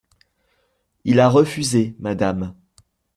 Il a refusé, madame…